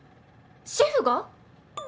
シェフが？